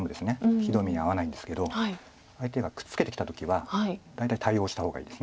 ひどい目には遭わないんですけど相手がくっつけてきた時は大体対応した方がいいです。